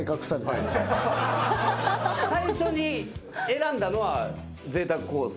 最初に選んだのは贅沢コース？